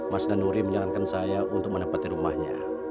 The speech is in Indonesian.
mas nanuri menyarankan saya untuk menempati rumahnya